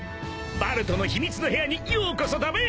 バルトの秘密の部屋にようこそだべ。